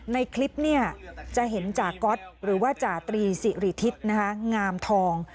ในคลิปนี้จะเห็นจ่าก๊อตหรือว่าจ่าตรีสิริฑิษณ์นะคะงามทอง